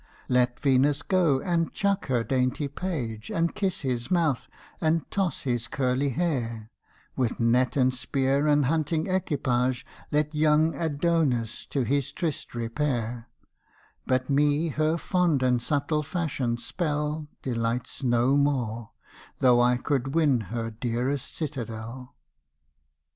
Let Venus go and chuck her dainty page, And kiss his mouth, and toss his curly hair, With net and spear and hunting equipage Let young Adonis to his tryst repair, But me her fond and subtle fashioned spell Delights no more, though I could win her dearest citadel.